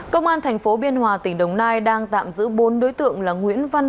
công an thành phố biên hòa tỉnh đồng nai đang tạm giữ bốn đối tượng là nguyễn văn